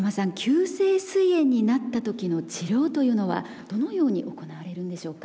急性すい炎になった時の治療というのはどのように行われるんでしょうか？